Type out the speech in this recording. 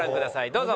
どうぞ。